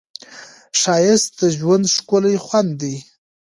ښایست د ژوند ښکلی خوند دی